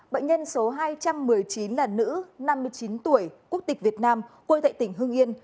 bệnh nhân số hai trăm một mươi chín là nữ năm mươi chín tuổi quốc tịch việt nam quê tại tỉnh hưng yên